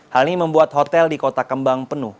hal ini membuat hotel di kota kembang penuh